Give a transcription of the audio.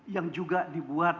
yang juga dibuat